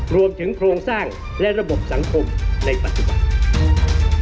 โครงสร้างและระบบสังคมในปัจจุบัน